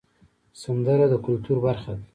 سندره د کلتور برخه ده